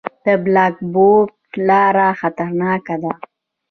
د بالابلوک لاره خطرناکه ده